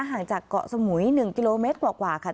ห่างจากเกาะสมุย๑กิโลเมตรกว่าค่ะ